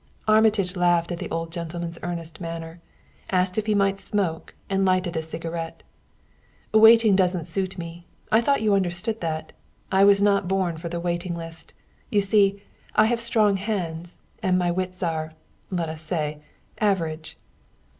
Armitage laughed at the old gentleman's earnest manner, asked if he might smoke, and lighted a cigarette. "Waiting doesn't suit me. I thought you understood that. I was not born for the waiting list. You see, I have strong hands and my wits are let us say average!"